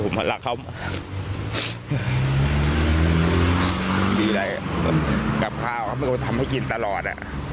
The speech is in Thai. มีอะไรก็ทำให้กินตลอด